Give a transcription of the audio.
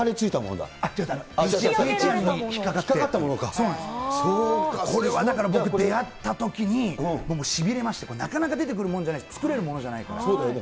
だから、これは出会ったときに、もうしびれましたね、なかなか出てくるもんじゃないし、作れるもんじゃないですし。